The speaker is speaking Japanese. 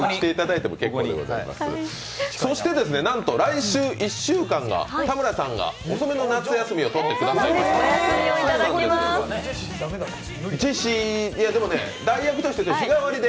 そしてなんと来週１週間が、田村さんが遅めの夏休みをとるということで。